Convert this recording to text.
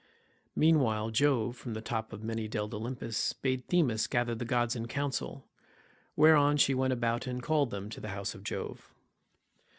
Meanwhile Jove from the top of many delled Olympus, bade Themis gather the gods in council, whereon she went about and called them to the house of Jove.